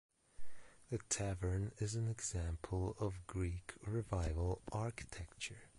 The tavern is an example of Greek Revival architecture.